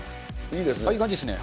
いい感じですね。